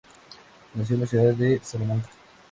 Nació en la ciudad de Salamanca.